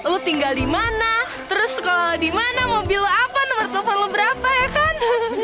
lo tinggal di mana terus sekolah lo di mana mobil lo apa nomer telepon lo berapa ya kan